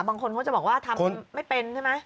บางคนเขาจะบอกว่าทำไม่เป็นใช่ไหม